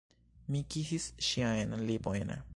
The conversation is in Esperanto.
Mi kisis ŝiajn lipojn.